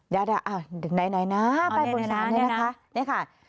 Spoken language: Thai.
เดี๋ยวไหนนะป้ายบนสารด้วยนะคะ